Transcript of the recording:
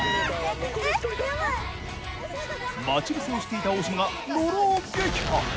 待ち伏せをしていた大島が野呂を撃破！